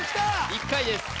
１回です